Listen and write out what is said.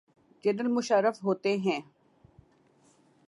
General Musharraf ہوتے ہیں۔